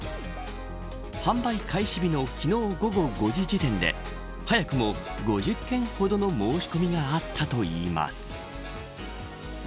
販売開始日の昨日午後５時時点で早くも５０件ほどの申し込みがあったといいます。